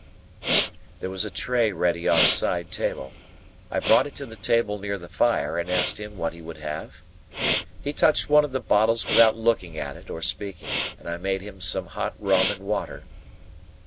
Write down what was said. There was a tray ready on a side table. I brought it to the table near the fire, and asked him what he would have? He touched one of the bottles without looking at it or speaking, and I made him some hot rum and water.